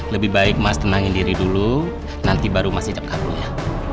lebih baik mas tenangin diri dulu nanti baru mas icap karunnya